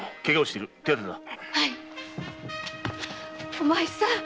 お前さん！